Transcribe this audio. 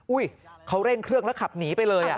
เขาเร่งเครื่องแล้วขับหนีไปเลย